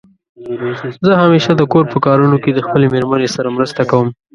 زه همېشه دکور په کارونو کې د خپلې مېرمنې سره مرسته کوم.